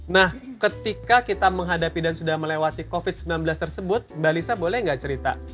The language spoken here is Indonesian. nah ketika kita menghadapi dan sudah melewati covid sembilan belas tersebut mbak lisa boleh nggak cerita